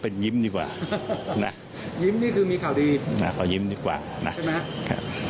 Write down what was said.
เป็นยิ้มดีกว่านะยิ้มนี่คือมีข่าวดีนะขอยิ้มดีกว่านะใช่ไหมครับ